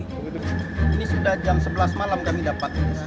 ini sudah jam sebelas malam kami dapat